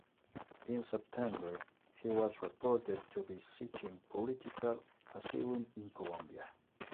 In September he was reported to be seeking political asylum in Colombia.